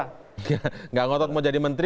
tidak ngotot mau jadi menteri